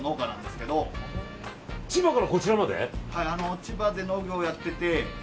千葉で農業をやっていて。